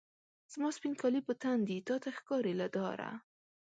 زما سپین کالي په تن دي، تا ته ښکاري لکه داره